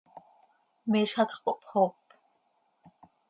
Miizj hacx cohpxoop.